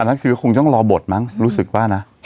นั่นคือคงต้องรอบมั้งรู้สึกว่านะ